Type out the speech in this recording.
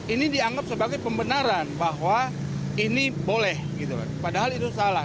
ini dianggap sebagai pembenaran bahwa ini boleh padahal itu salah